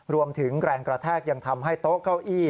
รวมถึงแรงกระแทกยังทำให้โต๊ะเก้าอี้